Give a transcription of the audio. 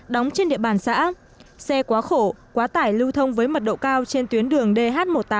đóng trên địa bàn xã xe quá khổ quá tải lưu thông với mật độ cao trên tuyến đường dh một mươi tám